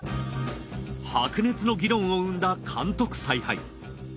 白熱の議論を生んだ監督采配。